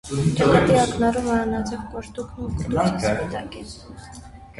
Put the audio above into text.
Ճակատի ակնառու վահանաձև կոշտուկն ու կտուցը սպիտակ են։